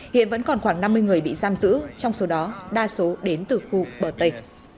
hiện vẫn còn khoảng năm mươi người bị giam giữ trong số đó đa số đến từ khu bờ tây